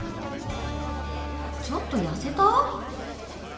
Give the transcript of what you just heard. ちょっと痩せた？